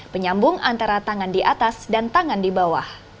penyambung antara tangan di atas dan tangan di bawah